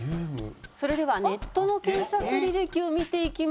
それではネットの検索履歴を見ていきますと。